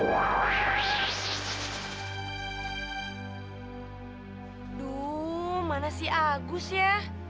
aduh mana sih agus ya